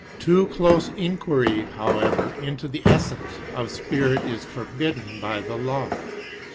Too close inquiry, however, into the essence of spirit is forbidden by the Law.